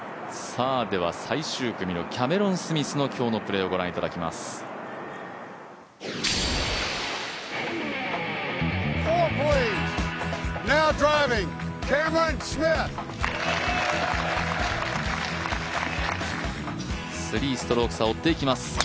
最終組のキャメロン・スミスの今日のプレーを御覧いただきます。